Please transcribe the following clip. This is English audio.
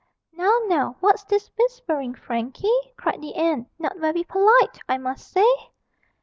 'Now, now, what's this whispering, Frankie?' cried the aunt; 'not very polite, I must say!'